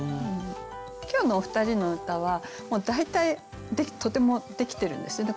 今日のお二人の歌はもう大体とてもできてるんですよね。